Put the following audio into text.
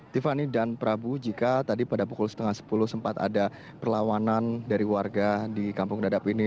tiffany dan prabu jika tadi pada pukul setengah sepuluh sempat ada perlawanan dari warga di kampung dadap ini